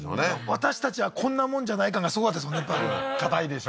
私たちはこんなもんじゃない感がすごかったですもんね硬いでしょ？